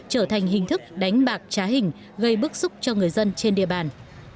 trở thành hình thức đánh bạc trá hình gây bức xúc cho người dân trên địa bàn